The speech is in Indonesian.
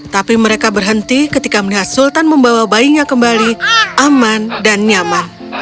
tapi mereka berhenti ketika melihat sultan membawa bayinya kembali aman dan nyaman